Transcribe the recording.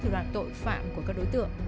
thì loạn tội phạm của các đối tượng